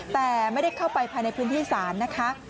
แต่ไม่ได้เข้าไปภายในพื้นที่ศาลนะคะ